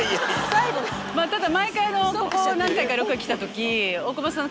まぁただ毎回ここ何回かロケ来た時「大久保さん